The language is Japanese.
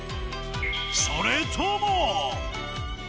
それとも。